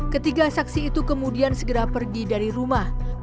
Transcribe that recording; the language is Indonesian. ketiga saksi itu kemudian segera pergi dari rumah